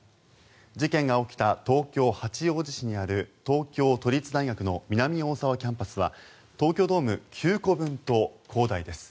事件が起きた東京・八王子市にある東京都立大学の南大沢キャンパスは東京ドーム９個分と広大です。